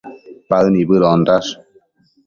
Paë nibëdondash